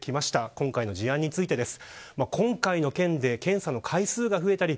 今回の事案についてです。